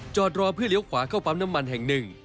จอดรอเพื่อเลี้ยวขวาเข้าปั๊มน้ำมันแห่งหนึ่ง